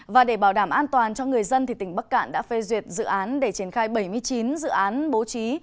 và để bảo đảm an toàn cho người dân tỉnh bắc cạn đã phê duyệt dự án để triển khai bảy mươi chín dự án bố trí